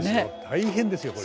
大変ですよこれ。